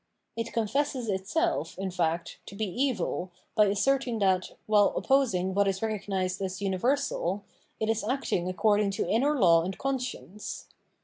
It confesses itself, in fact, to be evil by asserting that, while opposing what is recognised as universal, it is acting according to inner 672 Phenomenology of Mind law and conscience.